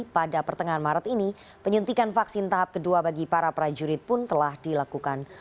pada pertengahan maret ini penyuntikan vaksin tahap kedua bagi para prajurit pun telah dilakukan